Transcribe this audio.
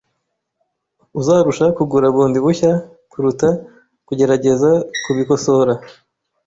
Uzarusha kugura bundi bushya kuruta kugerageza kubikosora.